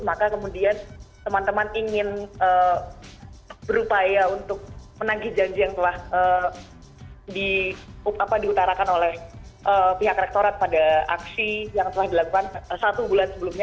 maka kemudian teman teman ingin berupaya untuk menagi janji yang telah diutarakan oleh pihak rektorat pada aksi yang telah dilakukan satu bulan sebelumnya